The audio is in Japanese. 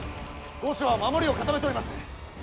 御所は守りを固めております。